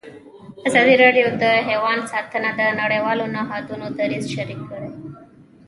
ازادي راډیو د حیوان ساتنه د نړیوالو نهادونو دریځ شریک کړی.